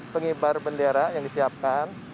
pengibar bendera yang disiapkan